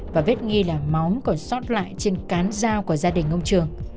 và vết nghi là máu còn sót lại trên cán dao của gia đình ông trường